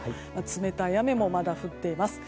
冷たい雨もまだ降っています。